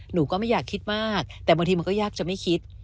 หนูก็ไม่อยากคิดมากแต่บางทีมันก็ยากจะไม่คิด